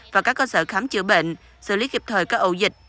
và các cơ sở khám chữa bệnh xử lý kịp thời các ẩu dịch